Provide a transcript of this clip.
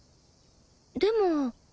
でも